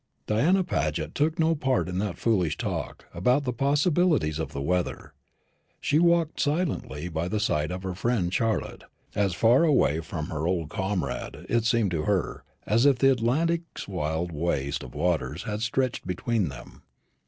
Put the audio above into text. Diana Paget took no part in that foolish talk about the possibilities of the weather. She walked silently by the side of her friend Charlotte, as far away from her old comrade, it seemed to her, as if the Atlantic's wild waste of waters had stretched between them.